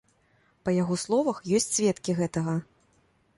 Па яго словах, ёсць сведкі гэтага.